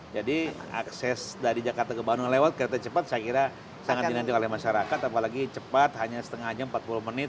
jadi akses dari jakarta ke bandung lewat kereta cepat saya kira sangat dinanti oleh masyarakat apalagi cepat hanya setengah jam empat puluh menit